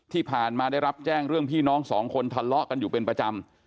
ที่ผ่านมาได้รับแจ้งเรื่องพี่น้องสองคนทะเลาะกันอยู่เป็นประจำ